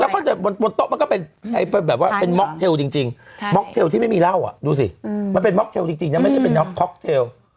แล้วก็แต่บนโต๊ะมันก็เป็นแบบว่าเป็นม็อกเทลจริงม็อกเทลที่ไม่มีเหล้าอ่ะดูสิมันเป็นม็อกเทลจริงนะไม่ใช่เป็นน็อกค็อกเทล